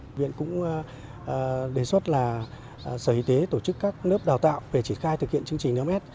bệnh viện cũng đề xuất là sở y tế tổ chức các lớp đào tạo về triển khai thực hiện chương trình năm s